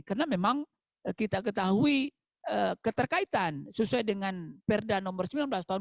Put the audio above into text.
karena memang kita ketahui keterkaitan sesuai dengan perda nomor sembilan belas tahun dua ribu dua puluh